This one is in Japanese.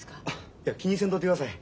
いや気にせんとってください。